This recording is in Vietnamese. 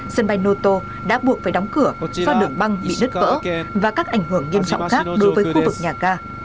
sân bay noto đã buộc phải đóng cửa do đường băng bị nứt vỡ và các ảnh hưởng nghiêm trọng khác đối với khu vực nhà ga